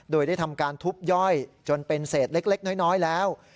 โดยได้ทำการทุบย่อยจนเป็นเศษเล็กน้อยแล้ว